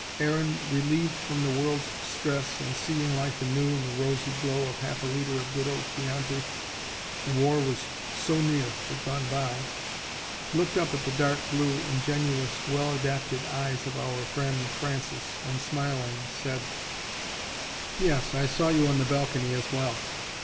Aaron, relieved from the world's stress and seeing life anew in the rosy glow of half a litre of good old Chianti the war was so near but gone by looked up at the dark blue, ingenuous, well adapted eyes of our friend Francis, and smiling, said: "Yes, I saw you on the balcony as well."